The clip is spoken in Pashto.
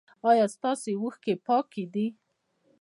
ایا ستاسو اوښکې پاکې دي؟